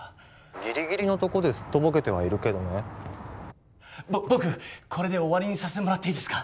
ギリギリのとこですっとぼけてはいるけどねぼ僕これで終わりにさせてもらっていいですか